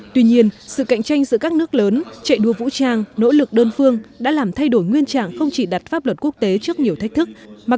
tuy nhiên sự cạnh tranh giữa các nước lớn chạy đua vũ trang nỗ lực đơn phương đã làm thay đổi nguyên trạng không chỉ đặt pháp luật quốc tế trước nhiều thách thức